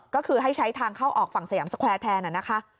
ก็คือให้ใช้ทางเข้าออกฝั่งสยามสแควร์แทนนะคะ